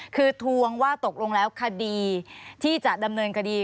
คือทวงว่าตกลงแล้วคดีที่จะดำเนินคดี